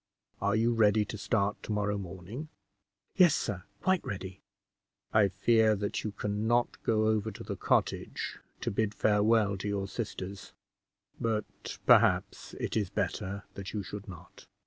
Are you ready to start to morrow morning?" "Yes, sir, quite ready." "I fear that you can not go over to the cottage to bid farewell to your sisters; but, perhaps, it is better that you should not."